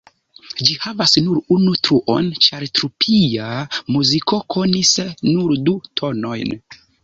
Ĝi havas nur unu truon ĉar tupia muziko konis nur du tonojn.